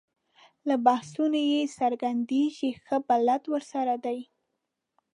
له بحثونو یې څرګندېږي ښه بلد ورسره دی.